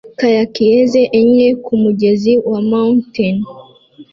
Kayakiers enye kumugezi wa moutain